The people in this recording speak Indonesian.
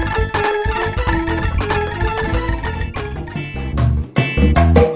dadah pake dong